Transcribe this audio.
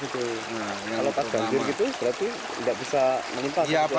kalau pas banjir gitu berarti enggak bisa menyimpan